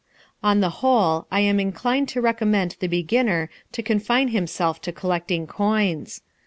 On the whole I am inclined to recommend the beginner to confine himself to collecting coins.